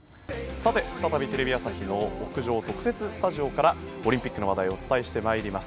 さて、再びテレビ朝日の屋上特設スタジオからオリンピックの話題をお伝えしてまいります。